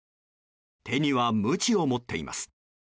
手にはむちを持っています。